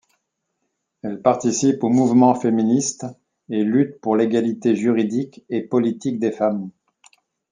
Elle participe au mouvement féministe et lutte pour l’égalité juridique et politique des femmes.